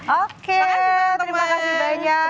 oke terima kasih banyak